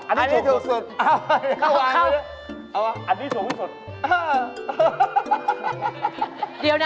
อันนี้สูงสุด